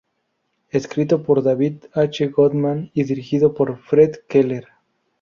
Escrito por David H. Goodman y dirigido por Fred Keller.